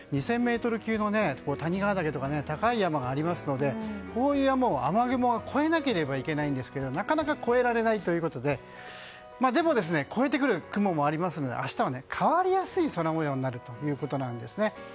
２０００ｍ級の高い山がありますのでこういう山を雨雲が越えなければいけないんですがなかなか越えられないでも越えてくる雲もありますので明日は変わりやすい空模様になるということです。